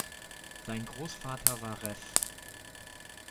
Sein Großvater war Rev.